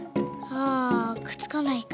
あくっつかないか。